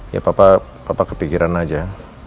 ya papa papa kepikiran aja